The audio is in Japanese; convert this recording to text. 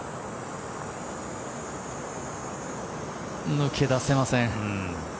抜け出せません。